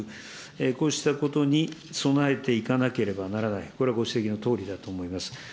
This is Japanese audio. こうしたことに、備えていかなければならない、これはご指摘のとおりだと思います。